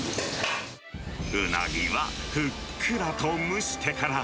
ウナギはふっくらと蒸してから。